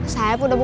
saeb udah bukan bos